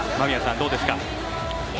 どうですか。